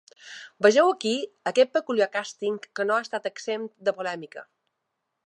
Vegeu aquí aquest peculiar càsting, que no ha estat exempt de polèmica.